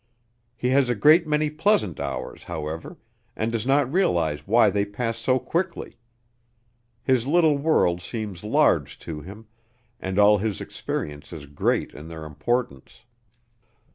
He has a great many pleasant hours, however, and does not realize why they pass so quickly. His little world seems large to him and all his experiences great in their importance.